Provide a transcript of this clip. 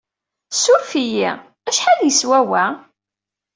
Ssuref-iyi, acḥal yeswa wa?